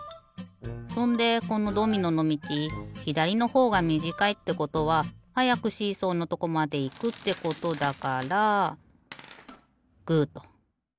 そんでこのドミノのみちひだりのほうがみじかいってことははやくシーソーのとこまでいくってことだからグーと。